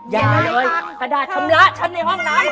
อย่าเลยกระดาษชำระฉันในห้องนั้น